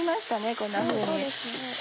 こんなふうに。